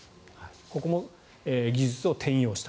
ここも技術を転用した。